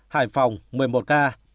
hải phòng một mươi một ca